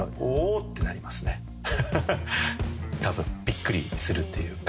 たぶんびっくりするというか。